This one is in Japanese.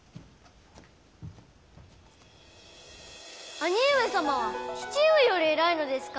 兄上様は父上より偉いのですか？